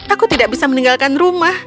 aku tidak bisa meninggalkan rumah